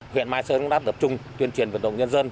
huyện mai sơn cũng đã tập trung tuyên truyền vận động nhân dân